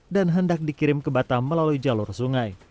dan hendak dikirim ke batam melalui jalur sungai